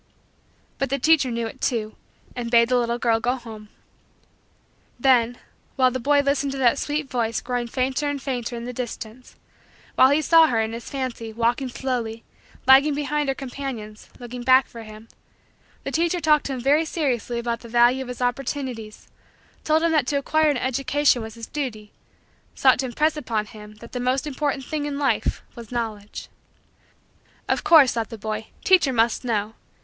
But the teacher knew it too and bade the little girl go home. Then, while the boy listened to that sweet voice growing fainter and fainter in the distance; while he saw her, in his fancy, walking slowly, lagging behind her companions, looking back for him; the teacher talked to him very seriously about the value of his opportunities; told him that to acquire an education was his duty; sought to impress upon him that the most important thing in life was Knowledge. Of course, thought the boy, teacher must know.